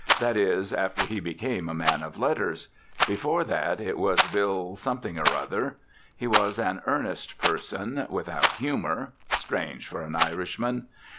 That is, after he became a man of letters; before that it was Bill Somethingorother. He was an earnest person, without humour (strange for an Irishman!)